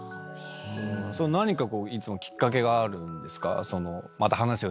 何かこういつもきっかけがあるんですか？